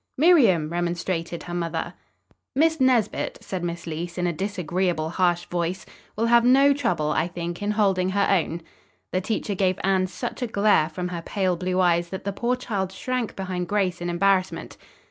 "Miriam!" remonstrated her mother. "Miss Nesbit," said Miss Leece in a disagreeable, harsh voice, "will have no trouble, I think, in holding her own." The teacher gave Anne such a glare from her pale blue eyes that the poor child shrank behind Grace in embarrassment.